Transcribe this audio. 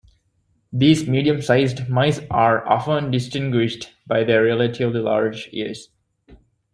These medium-sized mice are often distinguished by their relatively large ears.